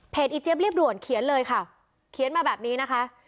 อีเจี๊ยเรียบด่วนเขียนเลยค่ะเขียนมาแบบนี้นะคะ